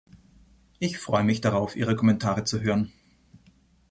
Ich freue mich darauf, Ihre Kommentare zu hören.